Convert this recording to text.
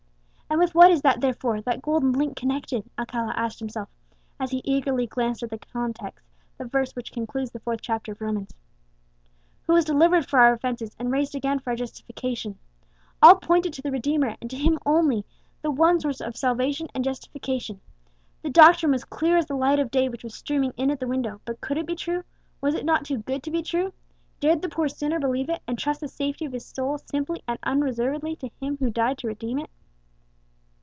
"And with what is that therefore, that golden link, connected?" Alcala asked himself, as he eagerly glanced at the context, the verse which concludes the fourth chapter of Romans "Who was delivered for our offences, and raised again for our justification." All pointed to the Redeemer, and to Him only, the One Source of Salvation and Justification. The doctrine was clear as the light of day which was streaming in at the window; but could it be true? was it not too good to be true? Dared the poor sinner believe it, and trust the safety of his soul simply and unreservedly to Him who died to redeem it?